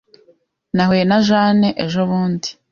Nahuye na Jane ejobundi.